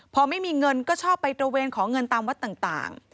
พอไม่มีเงินก็ชอบไปตระเวนขอเงินตามวัดต่าง